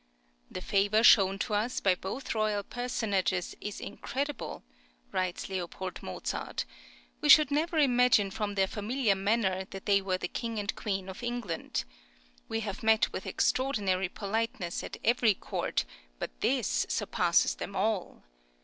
"The favour shown to us by both royal personages is incredible," writes L. Mozart; "we should never imagine from their familiar manner that they were the King and Queen of England. We have met with extraordinary politeness at every court, but this surpasses them all.